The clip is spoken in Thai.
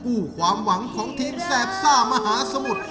คู่ความหวังของทีมแสบซ่ามหาสมุทร